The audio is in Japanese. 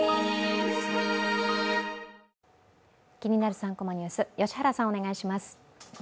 ３コマニュース」、良原さん、お願いします。